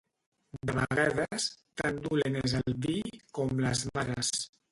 De vegades tan dolent és el vi com les mares.